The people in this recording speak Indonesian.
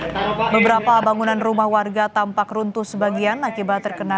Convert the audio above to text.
hai munggo kuyo mana beberapa bangunan rumah warga tampak runtuh sebagian akibat terkena